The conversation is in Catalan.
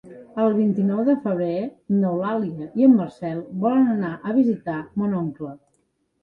El vint-i-nou de febrer n'Eulàlia i en Marcel volen anar a visitar mon oncle.